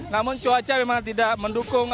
namun cuaca memang tidak mendukung